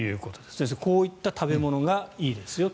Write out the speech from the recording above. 先生、こういった食べ物がいいですよと。